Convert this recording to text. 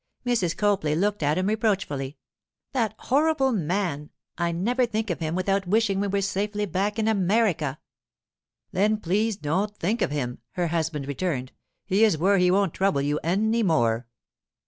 Mrs. Copley looked at him reproachfully. 'That horrible man! I never think of him without wishing we were safely back in America.' 'Then please don't think of him,' her husband returned. 'He is where he won't trouble you any more.